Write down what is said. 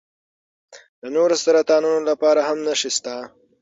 د نورو سرطانونو لپاره هم نښې شته.